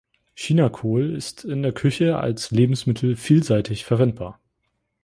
Chinakohl ist in der Küche als Lebensmittel vielseitig verwendbar.